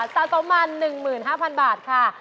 สะสมมา๑๕๐๐๐บาทค่ะ